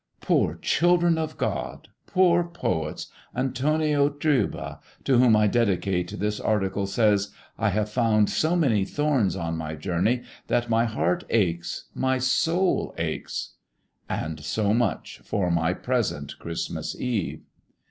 Poor children of God! Poor poets! Antonio Trueba, to whom I dedicate this article, says, "I have found so many thorns on my journey that my heart aches, my soul aches!" And so much for my present Christmas Eve!